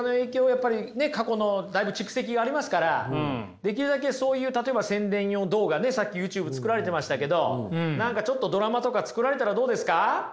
やっぱりね過去のだいぶ蓄積がありますからできるだけそういう例えば宣伝用動画ねさっきＹｏｕＴｕｂｅ作られてましたけど何かちょっとドラマとか作られたらどうですか？